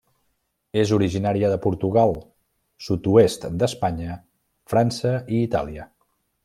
És originària de Portugal, sud-oest d'Espanya, França i Itàlia.